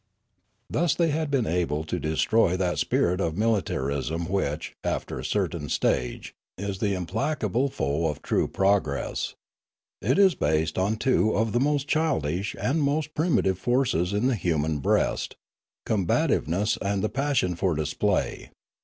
Thus had they been able to destroy that spirit of Leomarie " 93 militarism which, after a certain stage, is the implacable foe of true progress. It is based on two of the most childish and most primitive of forces in the human breast, combativeness and the passion for display.